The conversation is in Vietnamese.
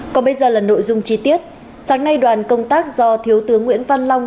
còn bây giờ là nội dung chi tiết sáng nay đoàn công tác do thiếu tướng nguyễn văn long